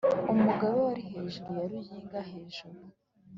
Umugabe wari hejuru ya Ruyinga-juru.